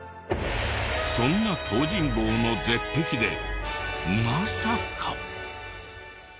そんな東尋坊の絶壁でまさか！